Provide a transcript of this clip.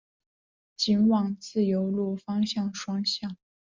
仅往自由路方向双向